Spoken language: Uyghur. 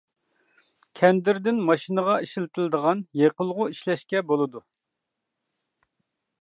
كەندىردىن ماشىنىغا ئىشلىتىلىدىغان يېقىلغۇ ئىشلەشكە بولىدۇ.